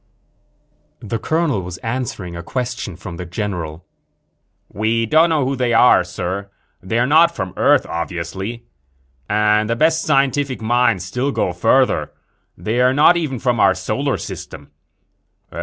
_ The colonel was answering a question from the general. "We don't know who they are, Sir. They're not from Earth, obviously. And the best scientific minds go still further they're not even from our solar system.